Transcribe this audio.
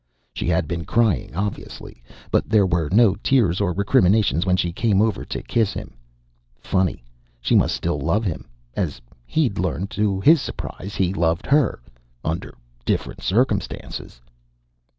She had been crying, obviously, but there were no tears or recriminations when she came over to kiss him. Funny, she must still love him as he'd learned to his surprise he loved her. Under different circumstances